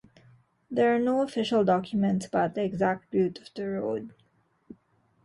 There are no official documents about the exact route of The Road.